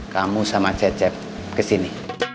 kamu sama cecep kesini